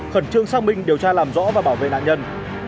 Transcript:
khẩn trương xác minh điều tra làm rõ và bảo vệ nạn nhân